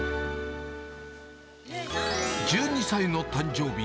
１２歳の誕生日。